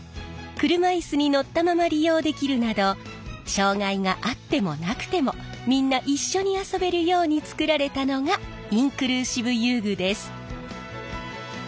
車いすに乗ったまま利用できるなど障がいがあってもなくてもみんな一緒に遊べるように作られたのがインクルーシブ遊具です。